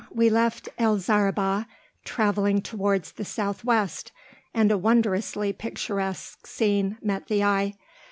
we left El Zaribah, traveling towards the S.W., and a wondrously picturesque scene met the eye.